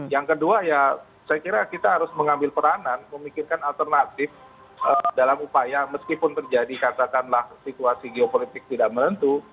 yang kedua ya saya kira kita harus mengambil peranan memikirkan alternatif dalam upaya meskipun terjadi katakanlah situasi geopolitik tidak menentu